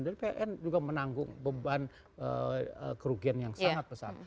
dari pln juga menanggung beban kerugian yang sangat besar